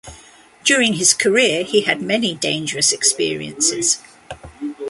During his career he had many dangerous experiences.